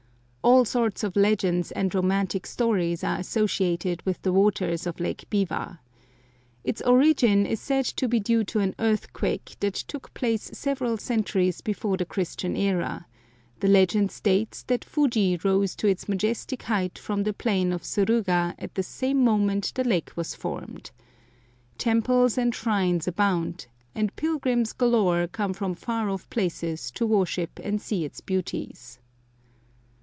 All sorts of legends and romantic stories are associated with the waters of Lake Biwa. Its origin is said to be due to an earthquake that took place several centuries before the Christian era; the legend states that Fuji rose to its majestic height from the plain of Suruga at the same moment the lake was formed. Temples and shrines abound, and pilgrims galore come from far off places to worship and see its beauties.